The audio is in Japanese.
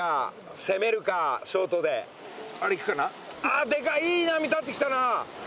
あっデカっいい波立ってきたな。